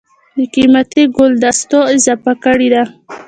دَ قېمتي ګلدستو اضافه کړې ده